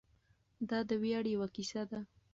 دا د ویاړ یوه کیسه ده.